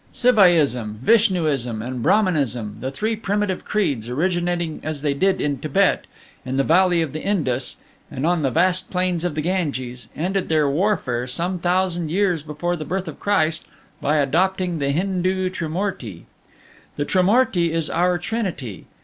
"Sivaism, Vishnuism, and Brahmanism, the three primitive creeds, originating as they did in Thibet, in the valley of the Indus, and on the vast plains of the Ganges, ended their warfare some thousand years before the birth of Christ by adopting the Hindoo Trimourti. The Trimourti is our Trinity.